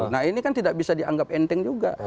nah ini kan tidak bisa dianggap enteng juga